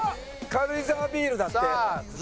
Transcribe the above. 軽井沢ビールだって。